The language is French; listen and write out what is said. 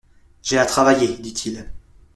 J'ai à travailler, dit-il.